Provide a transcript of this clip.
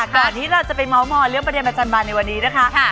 ก่อนที่เราจะไปเมาส์มอยเรื่องประเด็นประจำบานในวันนี้นะคะ